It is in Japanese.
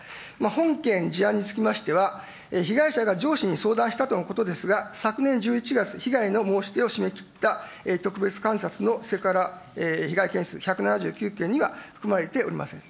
本件事案につきましては、被害者が上司に相談したとのことですが、昨年１１月、被害の申し出を締め切った特別監察のセクハラ被害件数１７９件には含まれておりません。